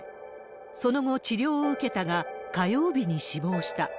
その後、治療を受けたが火曜日に死亡した。